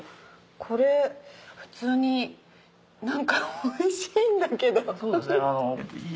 これ普通に何かおいしいんだけど。